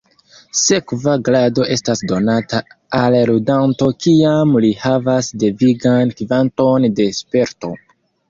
Sekva grado estas donata al ludanto kiam li havas devigan kvanton de "sperto".